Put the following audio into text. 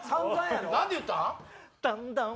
何て言ったん？